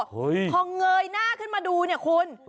พอเงยหน้าขึ้นมาดูเนี่ยคุณ